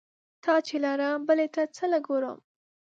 تا چې لرم بلې ته څه له ګورم؟